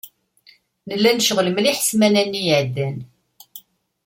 Nella necɣel mliḥ ssmana-nni iεeddan.